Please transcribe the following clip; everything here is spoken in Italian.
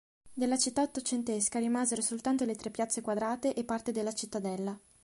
Della città ottocentesca rimasero soltanto le tre piazze quadrate e parte della Cittadella.